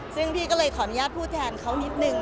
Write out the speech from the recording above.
ซึ่งพี่ก็เลยขออนุญาตพูดแทนเขานิดนึง